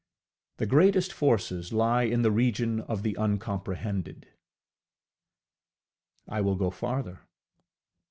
The greatest forces lie in the region of the uncomprehended. I will go farther.